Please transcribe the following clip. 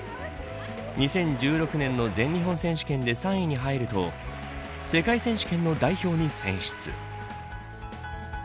２０１６年の全日本選手権で３位に入ると世界選手権の代表に選出。